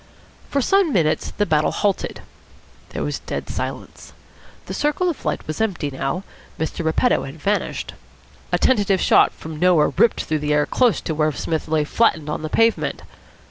For some minutes the battle halted. There was dead silence. The circle of light was empty now. Mr. Repetto had vanished. A tentative shot from nowhere ripped through the air close to where Psmith lay flattened on the pavement.